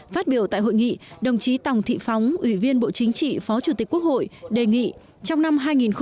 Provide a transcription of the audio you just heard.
phát biểu tại hội nghị đồng chí tòng thị phóng ủy viên bộ chính trị phó chủ tịch quốc hội đề nghị trong năm hai nghìn hai mươi